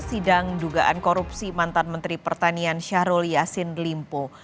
sidang dugaan korupsi mantan menteri pertanian syahrul yassin limpo